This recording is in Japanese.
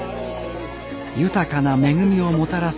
豊かな恵みをもたらす